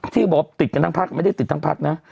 ที่บอกติดกันทั้งภักดิ์ไม่ได้ติดทั้งภักดิ์นะ